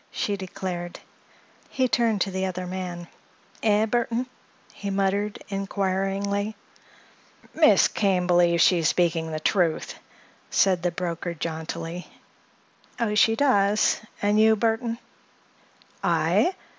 she declared. He turned to the other man. "Eh, Burthon?" he muttered, inquiringly. "Miss Kane believes she is speaking the truth," said the broker jauntily. "Oh, she does. And you, Burthon?" "I?